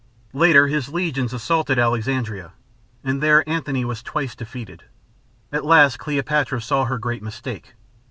Later his legions assaulted Alexandria, and there Antony was twice defeated. At last Cleopatra saw her great mistake.